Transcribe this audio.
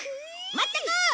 まったく！